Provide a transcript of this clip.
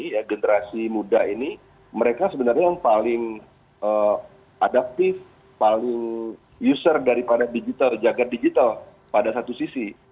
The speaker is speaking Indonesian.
ini generasi muda ini mereka sebenarnya yang paling adaptif paling user dari planet digital jaga digital pada satu sisi